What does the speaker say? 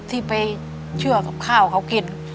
ที่ไปเชื่อกับข้าวเขากิน